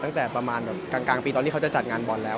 ตั้งแต่ประมาณแบบกลางปีตอนที่เขาจะจัดงานบอลแล้ว